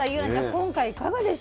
今回いかがでしたか？